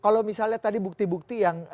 kalau misalnya tadi bukti bukti yang